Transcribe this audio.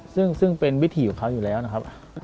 ซึ่งเป็นวิถีของเขาอยู่แล้วนะครับ